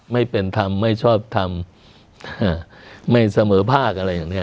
ไม่เป็นธรรมไม่ชอบทำไม่เสมอภาคอะไรอย่างนี้